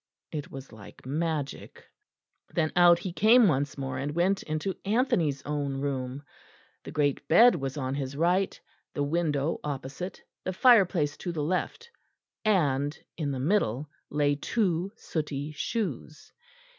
It was like magic. Then out he came once more, and went into Anthony's own room. The great bed was on his right, the window opposite, the fireplace to the left, and in the middle lay two sooty shoes.